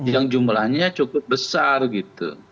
yang jumlahnya cukup besar gitu